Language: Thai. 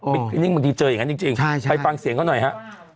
คลินิ่งบางทีเจออย่างนั้นจริงไปฟังเสียงเขาหน่อยฮะ